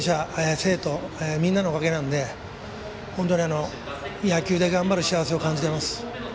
生徒、みんなのおかげなんで野球で頑張る幸せを感じています。